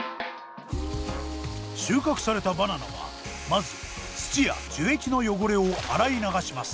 収穫されたバナナはまず土や樹液の汚れを洗い流します。